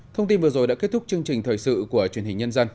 thông tin vừa rồi đã kết thúc chương trình thời sự của truyền hình nhân dân